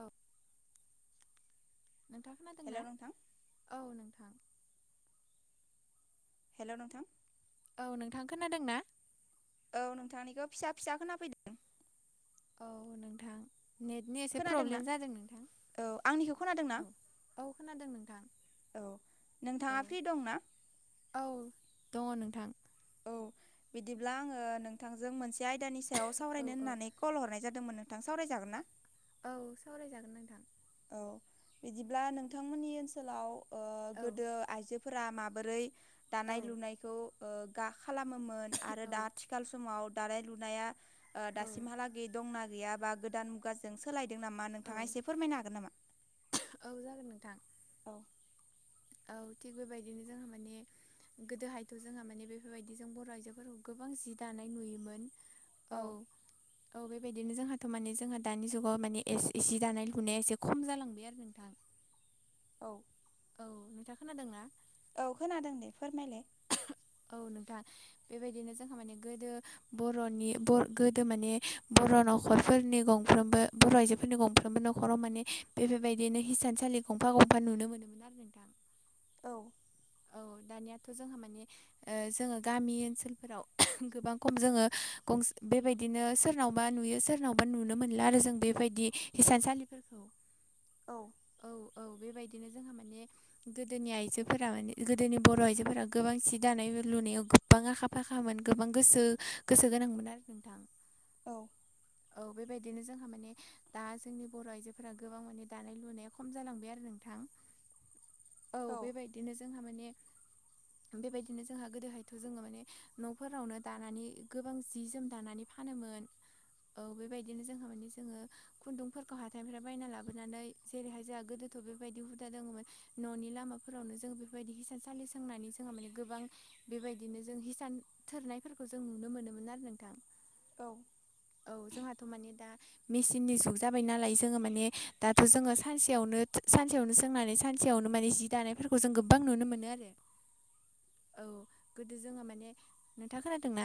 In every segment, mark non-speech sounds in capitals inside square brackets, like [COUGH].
औ नोंथां खोनादों हेलौ ना नोंथां औ नोंथां हेलौ नोंथां औ नोंथां खोनादों ना? औ नोंथांनिखौ फिसा फिसा खोना फैदों औ नोंथां नेटनि एसे खोनादोंना प्रब्लेम जादों नोंथां औ आंनिखौ खोनादों ना? औ औ खोनादों नोंथां औ औ नोंथाङा फ्रि दंना? औ दङ नोंथां औ बिदिब्ला आङो नोंथांजों मोनसे आयदानि सायाव औ सावरायनो औ होननानै कल हरनाय जादोंमोन नोंथां सावरायजागोन ना? औ सावरायजागोन नोंथां औ बिदिब्ला नोंथांमोननि ओनसोलाव औ गोदो आइजोफोरा माबोरै औ दानाय लुनायखौ गा खालामोमोन आरो औ दा थि आथिखाल समाव दानाय लुनाया औ दासिमहालागै दंना गैया बा गोदान मुगाजों सोलायदों नामा औ नोंथाङा एसे फोरमायना हो औ जागोन नोंथां औ औ थिग बेबायदिनो जोंहा माने गोदोहायथ' जोंहा माने बेफोरबायदि जों बर' आइजोफोरखौ गोबां जि दानाय नुयोमोन औ [INAUDIBLE] औ बेबायदिनो जोंहाथ' माने जोंहा दानि जुगाव माने ए-एसे दानाय लुनाया एसे खम जालांबाय आरो नोंथां औ औ नोंथां खोनादोंना? औ खोनादों दे फोरमायलाय औ नोंथां बेबायदिनो जोंहा माने गोदो बर'नि बर गोदो माने बर' न'खरफोरनि गंफ्रोमबो बर' आइजोफोरनि गंफ्रोमबो नखर न'खराव माने बेफोरबायदिनो हिसानसालि गंफा गंफा नुनो मोनोमोन आरो नोंथां औ औ दानियाथ' जोंहा मानि जोङो गामि ओनसोलफोराव गोबां खम जोङो गंसे बेबायदिनो सोरनावबा नुयो सोर सोरनावबा नुनो मोनला आरो जों बेबायदि हिसानसालिफोरखौ औ औ औ बेबायदिनो जोंहा माने गोदोनि आइजोफोरा माने गोदोनि बर' आइजोफोरा गोबां सि दानाय लुनायाव गोबां आखा फाखामोन गोबां गोसो गोसो गोनांमोन आरो नोंथां औ औ बेबायदिनो जोंहा माने दा जोंनि बर' आइजोफोरा गोबां माने दानाय लुनाया खम जालांबाय आरो नोंथां [INAUDIBLE] औ बेबायदिनो जोंहा माने बेबायदिनो जोंहा गोदोहायथ' जोङो माने न'फोरावनो दानानै गोबां जि जोम दानानै फानोमोन औ बेबायदिनो जोंहा माने जोङो खुन्दुंफोरखौ हाथाइनिफ्राय बायना लाबोनानै जेरैहाय जोंहा गोदोथ' बेबायदि हुदा दङमोन न'नि लामाफोरावनो जों बेफोरबायदि हिसानसाालि सोंनानै जोंहा माने गोबां बेबायदिनो जों हिसान थोरनायफोरखौ जों नुनो मोनोमोन आरो नोंथां। औ औ जोंहाथ' माने दा मेसिननि जुग जाबाय नालाय जोङो माने दाथ' जोङो सानसेयावनो-सानसेयावनो सोंनानै सानसेयावनो माने जि दानायफोरखौ जों गो बां नुनो मोनो आरो औ गोदो जोङो माने नोंथाङा खोनादोंना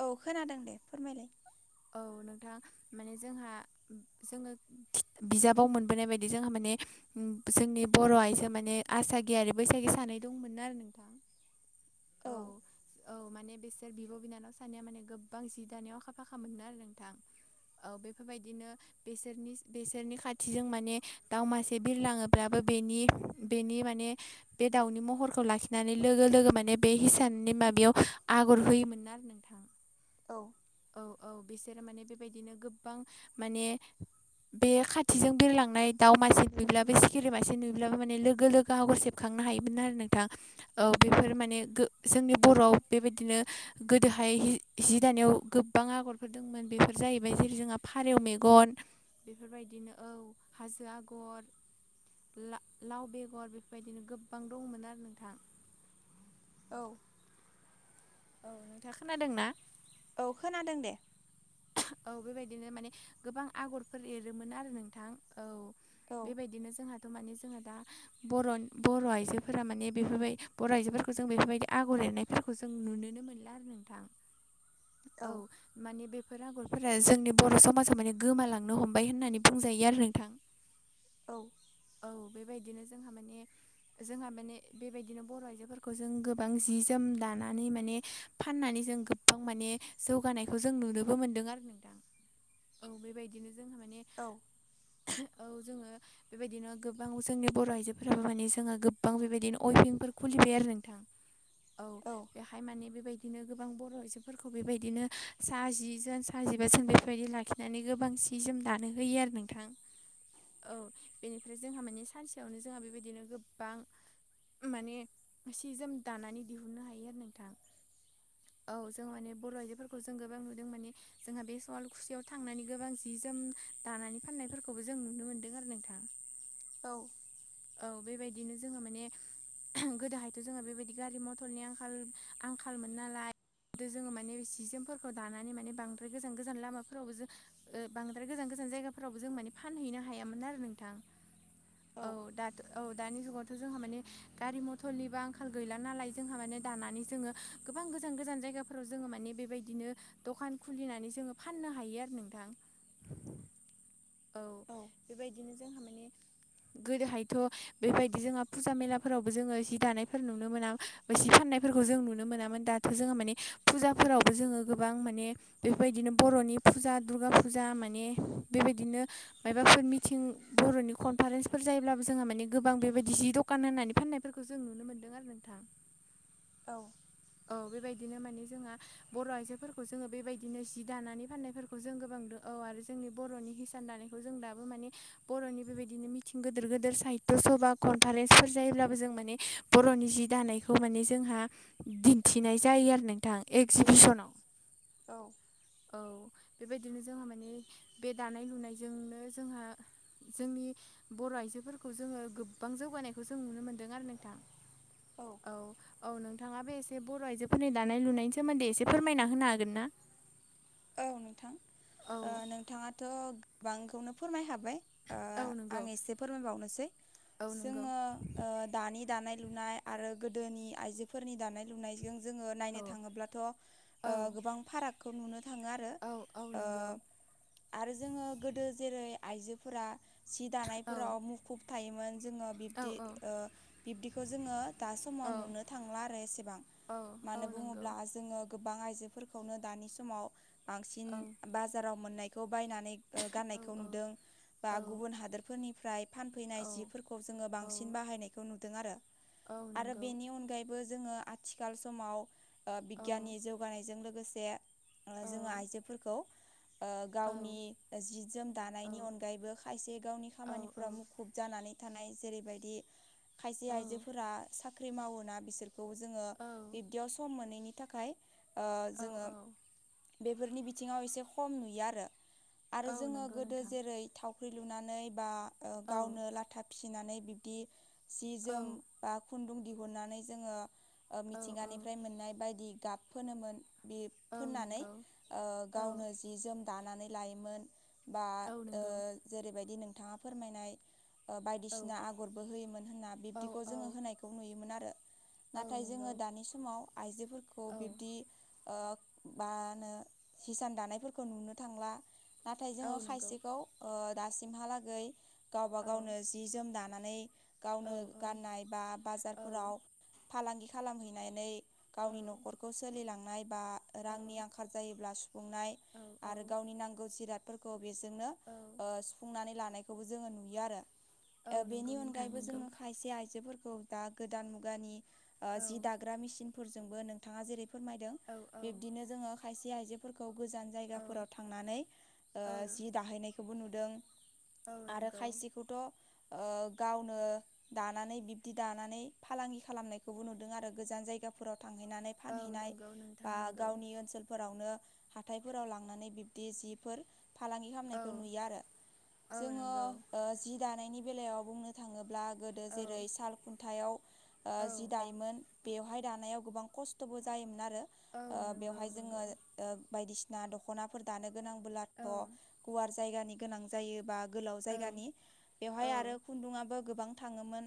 औ खोनादों दे फोरमायलाय। औ नोंथां माने जोंहा जोङो [UNINTELLIGIBLE] बिजाबाव मोनबोनाय बायदि जोंहा माने उम जोंनि बर' आयजो माने आसागि आरो बैसागि सानै दंमोन आरो [INAUDIBLE] औ औ-औ माने बिसोर बिब' बिनानाव सानैया माने गोबां जि दानायाव अखा फाखा खामोन आरो नोंथां औ बेफोरबायदिनो बेसोरनि बेसोरनि खाथिजों माने दाउमासे बिरलाङोब्लाबबो बेनि-बेनि माने बे दाउनि महरखौ लाखिनानै लोगो-लोगो माने बे हिसाननि माबायाव आगर होयोमोन आरो नोंथां। औ औ-औ बिसोरो माने बेबायदिनो गोबां माने बे खाथिजों बिरलांनाय दाउ मासे नुुयोब्लाबो सिखिरि मासे नुयोब्लाबो माने लोगो-लोग गो हावखौ सेबखांनो हायोमोन आरो नोंथां। औ बेफोर माने गो जोंनि बर'आव बेबायदिनो गोदोहाय जि दानायाव गोब बां आगरफोर दंमोन बेफोर जाहैबाय जेरै जोंहा फारौ मेगन बेफोरबायदि नो औ हाजो आगर ला-लाव बेगर बेफोरबायदिनो गोबां दङमोन आरो नोंथां। औ। औ नोंथाङा खोनादोंना? औ खोनादों दे। औ बेबायदिनो माने गोबां आगरफोर एरोमोन आरो नोंथां औ। औ बेबायदिनो जोंहाथ' माने जोङो दा बर'- बर' आइजोफोरा माने बेफोरबाय बर' आइजोफोरखौ जों बेफोरबायदि आगर एरनाय फोरखौ जों नुनोनो मोनला आरो नोंथां औ माने बेफोर आ आगरफोरा जोंनि बर' समाजाव माने गोमालांनो हमबाय होननानै बुंजायो आरो नोंथां। औ। औ बेबायदिनो जोंहा माने जोंहा माने बेबायदिनो बर' आइजोफोरखौ जों गोबां जि जोम दानानै माने फाननानै जों गोबां माने जौगानायखौ जों नुनोबो मोनदों आरो नोंथां औ बेबायदिनो जोंहा माने औ औ जोङो बेबायदिनो गोबां जोंनि बर' आइजोफोराबो माने जोंहा गोबां बेबायदिनो अयभिंफोर खुलिबाय आरो नोंथां। [INAUDIBLE] औ बेहाय माने बेबायदिनो गोबां बर' आइजो फोरखौ बेबायदिनो सा जि जोन सा जिबासो बेफोरबायदि लाखिनानै गोबां सि जोम दानो होयो आरो नोंथां। [INAUDIBLE] औ बेनिफ्राय जोंहा मानि सानसेयावनो जोंहा बेबायदिनो गोबां माने सि जोम दानानै दिहुननो हायो आरो नोंथां औ जों माने बर' आइजोफोरखौ जों गोबां नुदों माने जोंहा बे सवालखुसियाव थांनानै गोबां जि जोम दानानै फाननायफोरखौबो जों नुनो मोनदों आरो नोंथां। औ औ बेबायदिनो जोङो माने गोदोहायथ' जोङो बेबायदि गारि मथरनि आंखाल आंखालमोन नालाय खिथु जोङो माने जि जोमफोरखौ दानानै माने बांद्राय गोजान गोजान लामाफोरावबो जों ओ बांद्राय गोजान गोजान जायगाफोरावबो जों माने फानहैनो हायामोन आरो नोंथां औ। औ दानि जुगावथ' जोंहा माने गारि मथरनिबो आंखाल गैला नालाय जोंहा माने दानानै जोङो गोबां गोजान गोजान जायगाफोराव जोङो माने बेबायदिनो दखान खुलिनानै जोङो फाननो हायो आरो नोंथां। औ बेबायदिनो जोंहा माने गोदोहायथ' बेबायदि जोंहा फुजा मेलाफोरावबो जोङो जि दानायफोर नुनो मोना जि फाननायफोरखौ जों नुनो मोनामोन दा थ' जोङो माने फुजाफोरावबो जोङो गोबां माने बेबायदिनो बर'नि फुजा दुर्गा फुजा माने बेबायदिनो मायबाफोर मिथिं बर'नि कनफारेन्सफोर जायोब्लाबो जोंहा माने गोबां बेबायदि जि द कान होनानै फाननायफोरखौ जों नुनो मोन्दों आरो नोंथां। औ। औ बेबायदिनो माने जोंहा बर' आइजोफोरखौ जोङो बेबायदिनो जि दानानै फाननायफोरखौ जों गोबां नुदों औ। आरो जोंनि बर'नि हिसान दानायखौ जों दाबो माने बर'नि बेबायदिनो मिथिं गोदोर गोदोर साहित्य सभा कनफारेन्सफोर जायोब्लाबो जों माने बर'नि जि दानायखौ माने जोंहा दिन्थिनाय जायो आरो नोंथां एगजिबिसनाव। औ। औ बेबायदिनो जोंहा माने बे दानाय लुनायजोंनो जोंहा जोंनि बर' आइजोफोरखौ जोङो गोबां जौगानायखौ जों नुनो मोनदों आरो नोंथां। औ। औ औ नोंथाङाबो एसे बर' आइजोफोरनि दानाय लुनायनि सोमोन्दै एसे फोरमायना होनो हागोनना? औ नोंथां औ नोंथाङाथ' गोबांखौनो फोरमायखाबाय। ओ औ आं नंगौ एसे फोरमायबावनोसै औ नंगौ जोङो ओ दानि दानाय लुनाय आरो गोदोनि आइजोफोरनि दानाय लुनायजों जोङो नायनो औ थाङोब्लाथ' ओ औ गोबां फारागखौ नुनो थाङो आरो औ औ ओ नंगौ आरो जोङो गोदो जेरै आइजोफोरा सि औ दानायफोराव मुखुब थायोमोन जोङो औ बिब्दि ओ बिब्दिखौ जोङो दा समाव औ नुनो थांला आरो एसेबां औ मानो नंगौ बुङोब्ला जोङो गोबां आइजोफोरखौनो दानि समाव बांसिन औ बाजाराव मोननायखौ बायनानै औ गाननायखौ नुदों। बा औ गुबुन हादोरफोरनिफ्राय फानफैनाय औ जिफोरखौ जोङो औ बांसिन बाहायनायखौ नुदों आरो। औ आरो नंगौ बेनि अनगायैबो जोङो आथिखाल समाव ओ औ बिगियाननि जौगानायजों लोगोसे औ जोङो आइजोफोरखौ ओ औ गावनि जि जोम दानायनि औ अनगायैबो खायसे गावनि औ खामानिफोरा मुखुब जानानै थानाय जेरैबायदि खायसे औ आइजोफोरा साख्रि मावोना बिसोर खौ जोङो औ बिब्दियाव सम मोनैनि थाखाय ओ औ जोङो बेफोरनि बिथिङाव एसे खम नुयो आरो आरो औ जोङो नंगौ गोदो नोंथां जेरै थावख्रि लुनानै बा ओ औ गावनो लाथा फिसिनानै बिब्दि जि औ जोम बा खुन्दुं दिहुननानै जोङो ओ औ औ मिथिंगानिफ्राय मोननाय बायदि गाब फोनोमोन। बे औ फोननानै नंगौ ओ औ गावनो जि जोम दानानै लायोमोन। बा औ ओ नंगौ जेरैबायदि नोंथाङा फोरमायनाय औ बायदिसिना आगरबो होयोमोन होनना औ बिब्दिखौ औ जोङो होनायखौ नुयोमोन आरो। औ नाथाय नंगौ जोङो दानि समाव आइजोफोरखौ औ बिब्दि ओ मा होनो हिसान दानायफोरखौ नुनो थांला। नाथाय औ जोङो नंगौ खायसेखौ ओ दासिमहालागै गावबा औ गावनो जि जोम दान नानै औ गावनो गाननाय बा औ बाजारफोराव फालांगि खालामहैनानै औ गावनि न'खरखौ सोलिलांनाय बा रांनि आं आखाल जायोब्ला सुंनाय औ औ आरो गावनि नांगौ जिराद फोरखौ बेजोंनो औ ओ सुफुंनानै लानायखौबो जोङो नुयो आरो। औ ओ नंगौ बेनि नोंथां अनगायैबो नंगौ जोङो खायसे आइजोफोरखौ दा गोदान मुगानि ओ औ जि दाग्रा मेसिनफोरजोंबो नोंथाङा जेरै फोरमायदों औ औ बिब्दिनो जोङो खायसे आइजोफोरखौ गोजान औ जायगाफोराव थांनानै ओ औ जि दाहैनायखौबो नुदों। औ आरो नंगौ खायसेखौथ' ओ गावनो दानानै बिब्दि दानानै फालांगि खालामनायखौबो नुदों आरो गोजान जायगाफोराव थांहैनानै‌ औ फानहैनाय नंगौ नोंथां बा नंगौ गावनि ओनसोल फोरावनो हाथायफोराव लांनानै बिब्दि जिफोर फालांगि औ खालामनायखौ नुयो आरो औ जोङो‌ नंगौ ओ जि दानायनि बेलायाव बुंनो थाङोब्ला गो दो औ जेरै साल खुन्थायाव ओ औ जि दाइमोन बेवहाय दानायाव गोबां खस्थ'बो जायोमोन आरो औ ओ नंगौ बेवहाय जोङो नंगौ ओ बायदिसिना दख'नाफोर दानो औ गोनांबोलाथ' गुवार जायगानि गोनां जायोबा गोलाव औ जायगानि। बेवहाय औ आरो खुन्दुआो गोबां थाङोमोन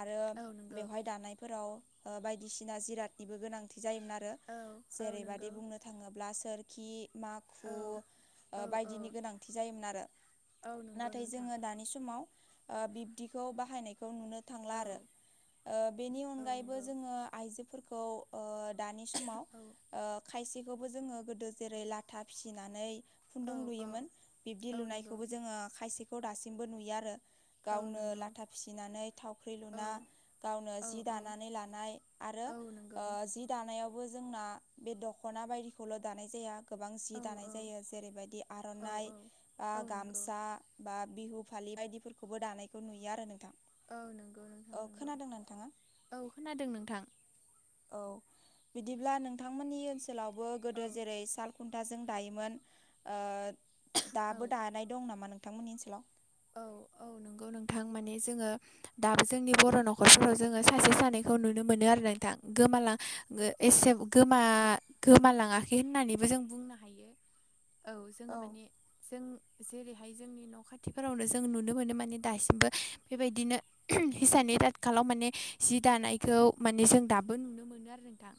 आरो औ नंगौ बेवहाय दानायफोराव ओ बायदिसिना जिरादनिबो गोनांथि जायोमोन आरो। औ औ जेरैबादि नंगौ बुंनो थाङोब्ला सोर खि माखु औ ओ औ औ बायदिनि गोनांथि जायोमोन आरो। औ नंगौ नाथाय नोंथां जोङो दानि समाव ओ बिब्दिखौ बाहायनाय खौ नुनो थांला औ आरो। ओ बेनि औ अनगायैबो नंगौ जोङो आइजोफोरखौ ओ दानि समाव औ ओ खायसेखौबो जोङो गोदो जेरै लाथा फिसिनानै खुन्दुं औ औ लुयोमोन। बिब्दि औ नंगौ लुनायखौबो जोङो खायसेखौ दासिमबो नुयो आरो। औ गावनो नंगौ लाथा फिसिनानै थावख्रि औ लुना गावनो औ जि औ दानानै लानाय आरो औ ओ नंगौ जि दानायावबो जोंना बे दख'ना बायदिखौल' दानाय जाया गोबां औ जि दानाय औ जायो जेरैबायदि औ आर'नाइ ओ औ नंगौ गामसा बा बिहु फालि बायदिफोरखौबो दानायखौ नुयो आरो नोंथां। औ नंगौ नोंथां ओ नंगौ खोनादोंना नोंथाङा? औ खोनादों नोंथां। औ बिदिब्ला नोंथांमोननि ओनसोलावबो औ गोदो जेरै साल खुन्थाजों दायोमोन ओ औ दाबो दानाय दं नामा नोंथांमोननि ओनसोलाव? औ नोंगौ नोंथां माने जोङो दाबो जोंनि बर' न'खरफोराव जोङो सासे सानैखौ नुनो मोनो आरो नोंथां गोमालां यो एसे गोमा गोमालाङाखै होननानैबो जों बुं [INAUDIBLE] औ जोङो माने जों जेरैहाय जोंनि न' खाथि फोरावनो जों नुनो मोनो माने दासिमबो बेबायदिनो हिसानि [UNINTELLIGIBLE] माने जि दानायखौ माने जों दाबो नुनो मोनो आरो नोंथां।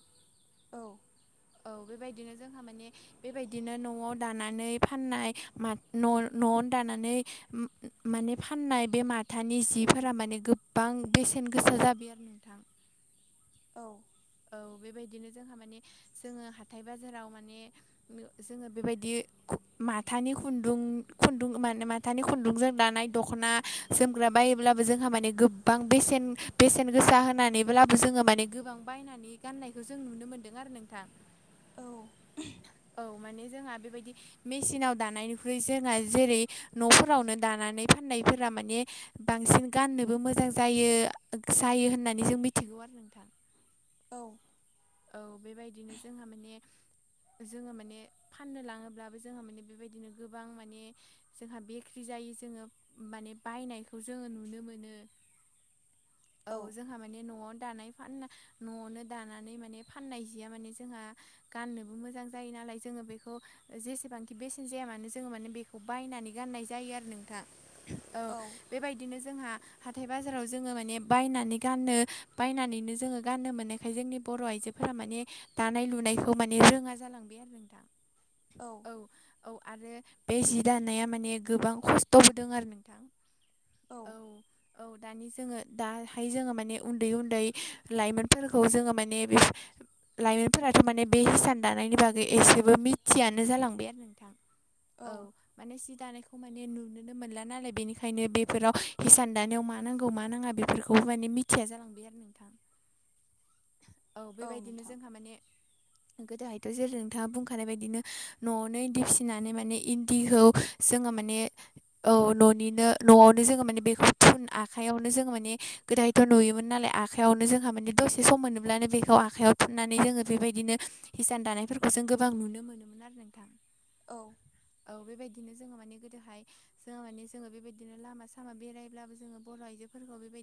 औ। औ बेबायदिनो जोंहा माने बेबायदिनो न'आव दानानै फाननाय मा न' न'आवनो दानानै उम माने फाननाय बे माथानि जिफोरा माने गोबां बेसेन गोसा जाब [UNINTELLIGIBLE] नोंथां। औ औ बेबायदिनो जोंहा माने जोङो हाथाय बाजा माने नो जोङो बेबायदि माथानि खुन्दुं खुन्दुं माने माथानि खुन्दुंजों दानाय दख'ना जोमग्रा बायोब्लाबो जोंहा माने गोबां बेसेन बेसेन गोसा होनानैब्लाबो जोङो माने गोबां बायनानै गाननायखौ जों नुनो मोनदों आरो नोंथां। औ औ माने जोंहा बेबायदि मेसिनाव दानायनिख्रुइ जोंहा जेरै न'फोरावनो दानानै फाननायफोरा माने बांसिन गाननोबो मोजां जायो जायो होननानै जों मिथिगौ आरो नोंथां औ औ बेबायदिनो जोंहा माने जोङो माने फाननो लाङोब्लाबो जोङो माने बेबायदिनो गोबां माने जोंहा बेक्रि जायो जोङो माने बायनायखौ जोङो नुनो मोनो [INAUDIBLE] औ जोंहा माने न'आवनो दानाय फान न'आवनो दानानै म माने फाननाय जिया माने जोंहा गाननोबो मोजां जायो नालाय जोङो बेखौ जेसेबांखि बेसेन जाया मानो जोङो माने बेखौ बायनानै गाननाय जायो आरो नोंथां औ बेबायदिनो जोंहा हाथाय बाजाराव जोङो माने बायनानै गानो बायनानैनो जोङो गाननो मोननायखाय जोंनि बर' आइजोफोरा माने दानाय लुनायखौ माने रोङा जालांबाय आरो नों दा औ औ औ आरो बे जि दानाया माने गोबां खस्थ'बोदोंं आरो नोंथां औ औ दानि जोङो दाहाय जोङो माने उन्दै उन्दै लाइमोनफोरखौ जोङो माने ने बि लाइमोनफोराथ' माने बे हिसान दानायनि बागै एसेबो मिथियानो जालांबाय आरो नोंथां औ माने सि दानायखौ माने नुनो नो मोनला नालाय बेनिखायनो बेफोराव हिसान दानायाव मा नांगौ मा नाङा बेफोरखौबो माने मिथिया जालां [INAUDIBLE] औ बेबायदिनो जोंहा माने गोदोहायथ' जेरै नोंथाङा बुंखानाय बायदिनो न'आवनो इन्दि फिसिनानै माने इन्दिखौ जोङो माने औ न'निनो न'आवनो जोङो माने बेखौ थुन आखयावनो जोंङो माने गोदायथ' नुयोमोन नालाय आखाइयावनो जोंहा माने दसे सम मोनोम अब्लानो बेखौ आखाइायाव थुनानै जोङो बेबायदिनो हिसान दानायफोरखौ जों गोबां नुनो मोनोम मोन [UNINTELLIGIBLE] नोंथां औ औ बेबायदिनो जोङो माने गोदोहाय जोहा माने जोङो बेबायदिनो लामा सामा बेरायब्लाबो जोङो बर' आइजो बेबायदि